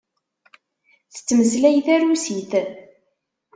Tettmeslay tarusit.